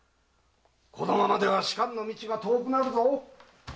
このままでは仕官の道が遠くなるぞ。